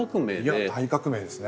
いや大革命ですね。